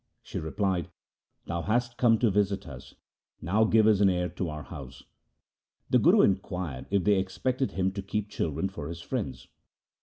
She replied, ' Thou hast come to visit us ; now give us an heir to our house.' The Guru inquired if they expected him to keep children for his friends.